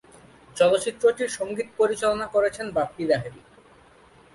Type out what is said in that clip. চলচ্চিত্রটির সংগীত পরিচালনা করেছেন বাপ্পি লাহিড়ী।